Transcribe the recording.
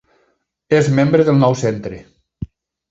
Es membre del Nou Centre.